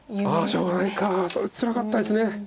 しょうがないか。それつらかったです。